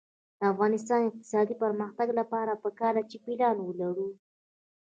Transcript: د افغانستان د اقتصادي پرمختګ لپاره پکار ده چې پلان ولرو.